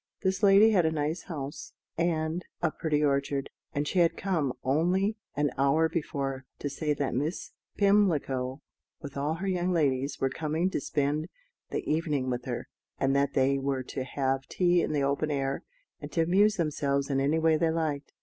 This lady had a nice house and a pretty orchard; and she had come, only an hour before, to say that Miss Pimlico, with all her young ladies, were coming to spend the evening with her, and that they were to have tea in the open air, and to amuse themselves in any way they liked.